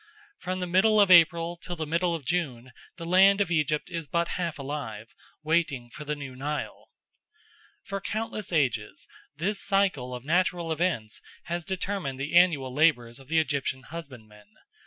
From the middle of April till the middle of June the land of Egypt is but half alive, waiting for the new Nile. For countless ages this cycle of natural events has determined the annual labours of the Egyptian husbandman.